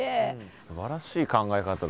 すばらしい考え方だ。